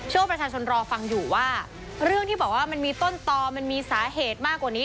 ว่าประชาชนรอฟังอยู่ว่าเรื่องที่บอกว่ามันมีต้นตอมันมีสาเหตุมากกว่านี้